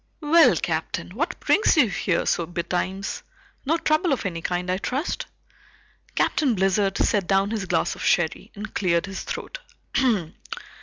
"Well, Captain, what brings you here so betimes? No trouble of any kind, I trust?" Captain Blizzard set down his glass of sherry and cleared his throat.